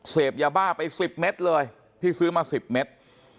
เสพยาบ้าไป๑๐เม็ดเลยที่ซื้อมา๑๐เมตร